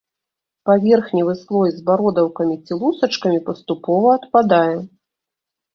Паверхневы слой з бародаўкамі ці лусачкамі, паступова адпадае.